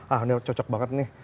ah ini cocok banget nih